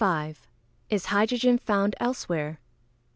_Is hydrogen found elsewhere?